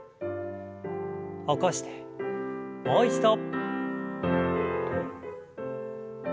起こしてもう一度。